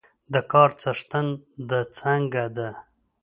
د کار څښتن د څنګه ده؟